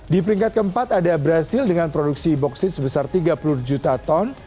di peringkat keempat ada brazil dengan produksi boksit sebesar tiga puluh juta ton